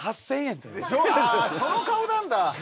その顔なんだ。